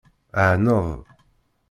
Ɛaned.